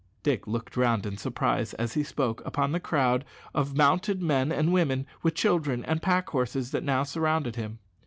Dick looked round in surprise, as he spoke, upon the crowd of mounted men and women, with children and pack horses, that now surrounded him.